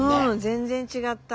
全然違った。